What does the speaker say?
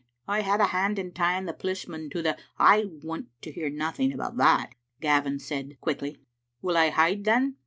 Ay, I had a hand in tying the polissman to the " "I want to hear nothing about that," Gavin said quickly. "Will I hide, then?"